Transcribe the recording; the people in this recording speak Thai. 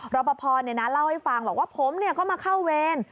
รอปภเล่าให้ฟังบอกว่าผมก็มาเข้าเวร